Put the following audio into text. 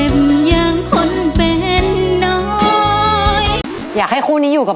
แบบเจ็บ